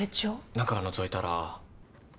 中をのぞいたら。